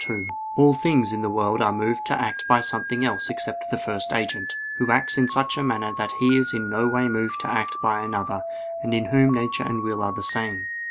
2: All things in the world are moved to act by something else except the First Agent, Who acts in such a manner that He is in no way moved to act by another; and in Whom nature and will are the same.